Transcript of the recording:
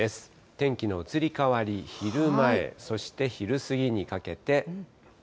天気の移り変わり、昼前、そして昼過ぎにかけて。